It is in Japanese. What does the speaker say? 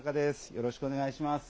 よろしくお願いします。